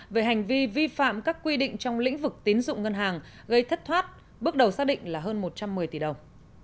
về hành vi vi phạm các quy định trong lĩnh vực tín dụng ngân hàng gây thất thoát bước đầu xác định là hơn một trăm một mươi tỷ đồng